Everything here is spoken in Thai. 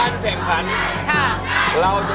โรงได้